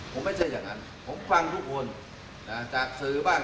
ผมไม่ใช่อย่างนั้นผมฟังทุกคนนะจากสื่อบ้าง